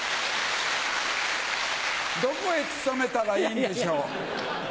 どこへ勤めたらいいんでしょう？